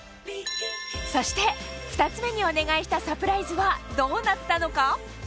そして２つ目にお願いしたサプライズはどうなったのか？